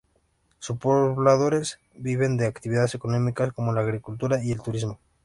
Sus pobladores viven de actividades económicas como la agricultura y el turismo.